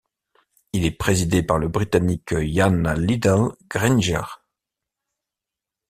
Il est présidé par le Britannique Ian Liddell-Grainger.